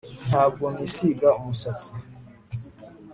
ntabwo nisiga umusatsi